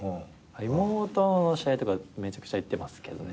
妹の試合とかめちゃくちゃ行ってますけどね。